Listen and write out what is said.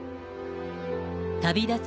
旅立つ